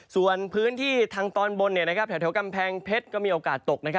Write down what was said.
ส่วนพื้นที่ทางตอนบนแถวกำแพงเพชรก็มีโอกาสตก